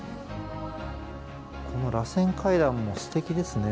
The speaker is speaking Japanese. このらせん階段もすてきですね。